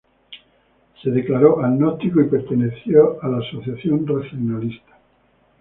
Se declaró agnóstico y perteneció a la Asociación racionalista.